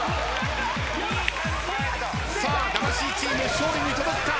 さあ魂チーム勝利に届くか。